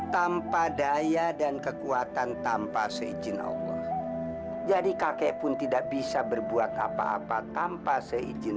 tanpa daya dan kekuatan tanpa seizin allah jadi kakek pun tidak bisa berbuat apa apa tanpa seizin